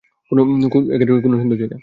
কোনো সুন্দর জায়গা?